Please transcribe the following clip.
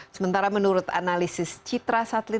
sementara menurut analisis citrasat ly